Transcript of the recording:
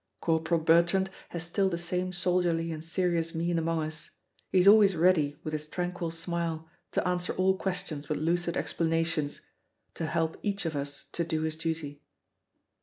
Corporal Bertrand has still the same soldierly and serious mien among us; he is always ready with his tranquil smile to answer all questions with lucid explanations, to help each of us to do his duty.